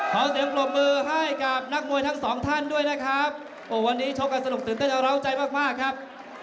เสียงปรบมือให้กับนักมวยทั้งสองท่านด้วยนะครับโอ้วันนี้ชกกันสนุกตื่นเต้นจะร้าวใจมากมากครับ